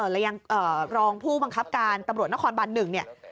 แล้วยังรองผู้บังคับการตำรวจนครบัน๑เนี่ย